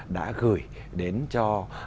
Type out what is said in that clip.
đã gửi đến cho